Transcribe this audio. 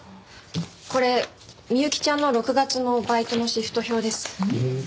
これ美幸ちゃんの６月のバイトのシフト表です。